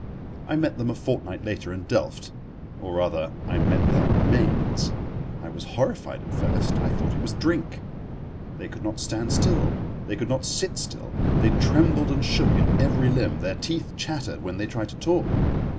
I met them a fortnight later in Delft, or, rather, I met their remains. I was horrified at first. I thought it was drink. They could not stand still, they could not sit still, they trembled and shook in every limb, their teeth chattered when they tried to talk.